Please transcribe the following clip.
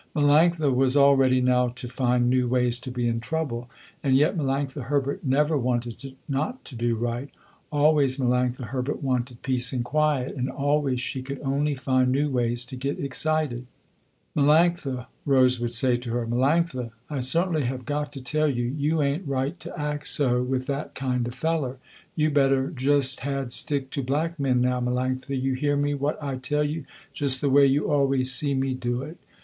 Melanctha was all ready now to find new ways to be in trouble. And yet Melanctha Herbert never wanted not to do right. Always Melanctha Herbert wanted peace and quiet, and always she could only find new ways to get excited. "Melanctha," Rose would say to her, "Melanctha, I certainly have got to tell you, you ain't right to act so with that kind of feller. You better just had stick to black men now, Melanctha, you hear me what I tell you, just the way you always see me do it.